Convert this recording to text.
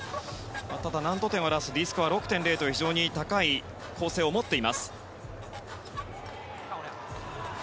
ただ、難度点Ｄスコア６．０という非常に高い構成を持っています。